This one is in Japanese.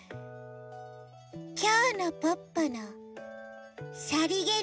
きょうのポッポの「さりげないおしゃれ」。